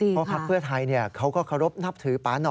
เพราะพรรคเพื่อไทยเขาก็ขอรบนับถือปาหนอ